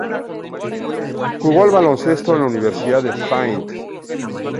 Jugó al baloncesto en la Universidad de St.